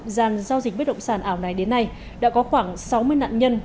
dàn giao dịch bất động sản ảo này đến nay đã có khoảng sáu mươi nạn nhân